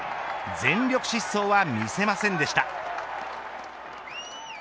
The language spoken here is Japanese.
全力疾走は見せませんでした。